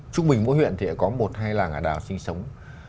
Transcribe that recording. trung bình mỗi huyện thì có một hai làng ả đào sinh sống